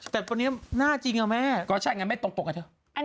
ที่เขาตามหากันเมื่อวาน